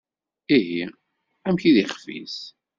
Ihi, amek i d ixf-is?